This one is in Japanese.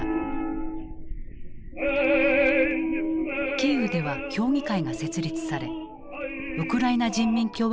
キーウでは評議会が設立されウクライナ人民共和国を建国。